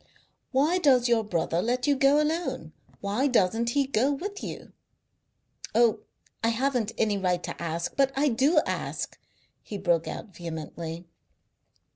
"Why does your brother let you go alone? Why doesn't he go with you? Oh, I haven't any right to ask, but I do ask," he broke out vehemently.